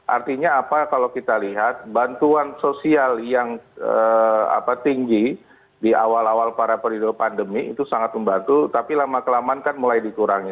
artinya apa kalau kita lihat bantuan sosial yang tinggi di awal awal para periode pandemi itu sangat membantu tapi lama kelamaan kan mulai dikurangi